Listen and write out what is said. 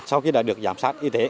sau khi đã được giảm sát y tế